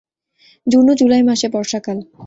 June ও July মাসে বর্ষাকাল।